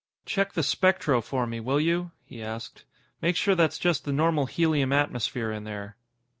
"Check the spectro for me, will you?" he asked. "Make sure that's just the normal helium atmosphere in there."